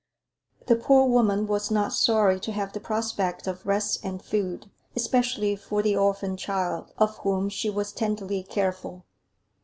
The poor woman was not sorry to have the prospect of rest and food, especially for "the orphin child," of whom she was tenderly careful.